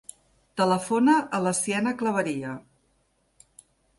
Telefona a la Siena Claveria.